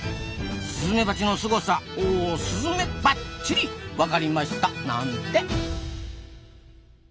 スズメバチのすごさオスズメバッチリわかりました！なんて。